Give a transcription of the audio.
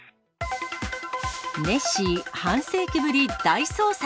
ネッシー、半世紀ぶり大捜索。